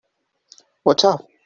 What's up?